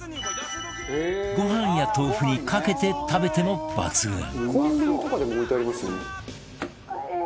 ご飯や豆腐にかけて食べても抜群